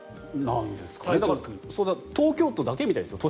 東京都だけみたいですよ。